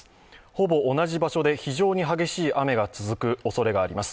ほぼ同じ場所で非常に激しい雨が続くおそれがあります。